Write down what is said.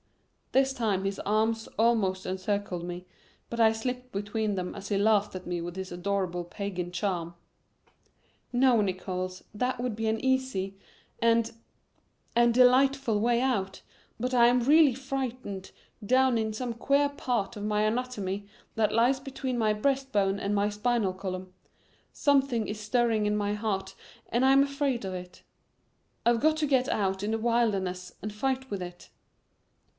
This time his arms almost encircled me, but I slipped between them as he laughed at me with his adorable pagan charm. "No, Nickols, that would be an easy and and delightful way out, but I am really frightened down in some queer part of my anatomy that lies between my breast bone and my spinal column. Something is stirring in my heart and I'm afraid of it. I've got to get out in a wilderness and fight with it."